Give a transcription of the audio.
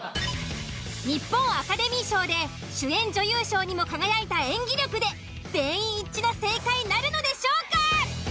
日本アカデミー賞で主演女優賞にも輝いた演技力で全員一致の正解なるのでしょうか？